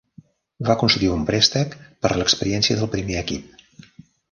Va concedir un préstec per l'experiència del primer equip.